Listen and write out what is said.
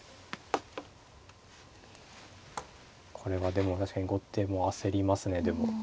これはでも確かに後手も焦りますね。